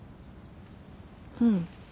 うん。